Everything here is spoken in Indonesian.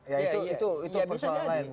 ya itu persoalan lain